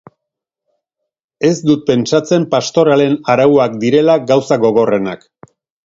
Ez dut pentsatzen pastoralen arauak direla gauza gogorrenak.